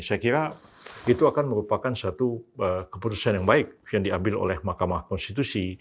saya kira itu akan merupakan satu keputusan yang baik yang diambil oleh mahkamah konstitusi